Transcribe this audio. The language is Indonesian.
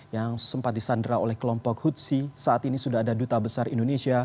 yang sempat disandra oleh kelompok hutsi saat ini sudah ada duta besar indonesia